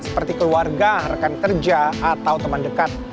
seperti keluarga rekan kerja atau teman dekat